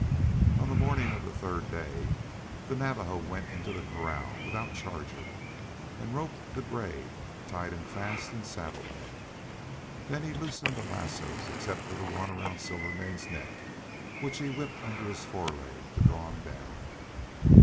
On the morning of the third day the Navajo went into the corral without Charger, and roped the gray, tied him fast, and saddled him. Then he loosed the lassoes except the one around Silvermane's neck, which he whipped under his foreleg to draw him down.